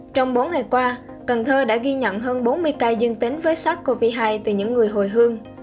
trong bốn ngày qua cần thơ đã ghi nhận hơn bốn mươi ca dương tính với sars cov hai từ những người hồi hương